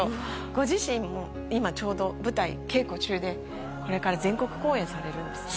ご自身も今ちょうど舞台稽古中でこれから全国公演されるんですね